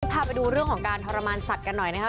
พาไปดูเรื่องของการทรมานสัตว์กันหน่อยนะครับ